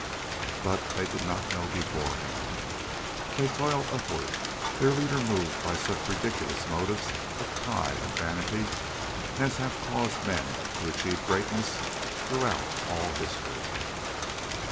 But they did not know beforehand. They toiled upward, their leader moved by such ridiculous motives of pride and vanity as have caused men to achieve greatness throughout all history.